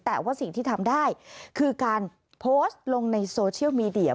แต่ว่าสิ่งที่ทำได้คือการโพสต์ลงในโซเชียลมีเดีย